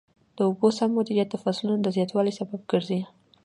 د اوبو سم مدیریت د فصلونو د زیاتوالي سبب ګرځي.